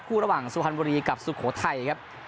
คู่ระหว่างสุพรรณบุรีกับสุโขทัยครับ